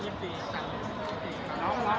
พี่แม่ที่เว้นได้รับความรู้สึกมากกว่า